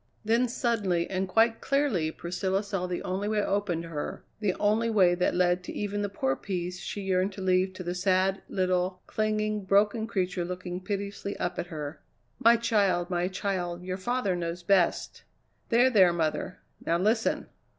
Then suddenly and quite clearly Priscilla saw the only way open to her, the only way that led to even the poor peace she yearned to leave to the sad, little, clinging, broken creature looking piteously up at her. "My child, my child, your father knows best." "There! there mother. Now listen!"